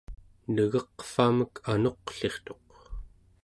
negeqvamek anuqlirtuq